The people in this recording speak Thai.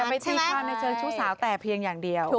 อย่าไปตีความในเชิงชู้สาวแต่เพียงอย่างเดียวใช่ไหม